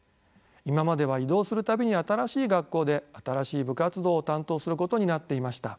今までは異動する度に新しい学校で新しい部活動を担当することになっていました。